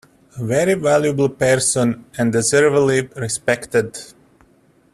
A very valuable person, and deservedly respected.